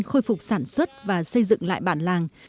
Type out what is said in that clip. khôi phục sản xuất và xây dựng lại bản làng